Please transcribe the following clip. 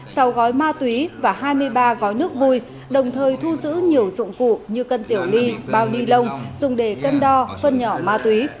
sau gói ma túy và hai mươi ba gói nước vui đồng thời thu giữ nhiều dụng cụ như cân tiểu ly bao ni lông dùng để cân đo phân nhỏ ma túy